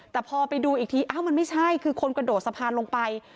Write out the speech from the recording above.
แต่พอไปดูอีกทีอ้าวมันไม่ใช่คือคนกระโดดสะพานลงไป